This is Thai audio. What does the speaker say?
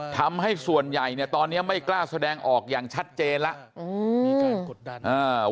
ทำให้ส่วนใหญ่ตอนนี้ไม่กล้าแสดงออกอย่างชัดเจนแล้ว